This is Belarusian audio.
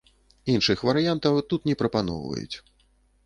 Іншых варыянтаў тут не прапаноўваюць.